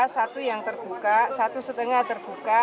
satu yang terbuka satu setengah terbuka